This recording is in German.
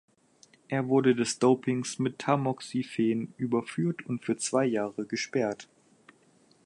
Er wurde des Dopings mit Tamoxifen überführt und für zwei Jahre gesperrt.